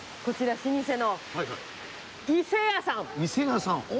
こちら老舗の伊勢屋さん。